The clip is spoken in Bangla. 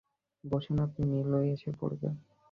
বসুন আপনি, নীলু এসে পড়বে।